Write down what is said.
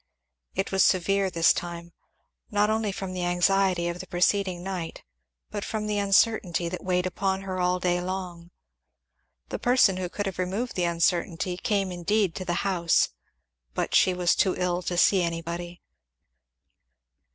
It was severe this time, not only from the anxiety of the preceding night but from the uncertainty that weighed upon her all day long. The person who could have removed the uncertainty came indeed to the house, but she was too ill to see anybody.